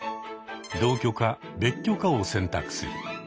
同居か別居かを選択する。